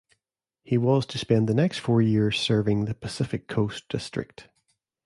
He was to spend the next four years serving the Pacific Coast district.